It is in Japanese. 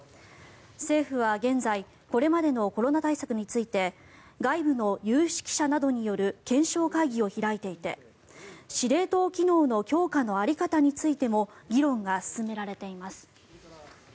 政府は現在これまでのコロナ対策について外部の有識者などによる検証会議を開いていて司令塔機能の強化の在り方についても議論が進められています。